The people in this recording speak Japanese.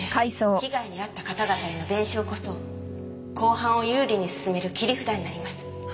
被害に遭った方々への弁償こそ公判を有利に進める切り札になります。